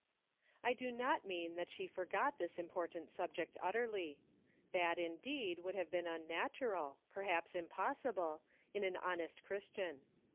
I DO not mean that she forgot this important subject utterly ; that, indeed, would have been unnatural, perhaps impossible, in an honest Chris tian.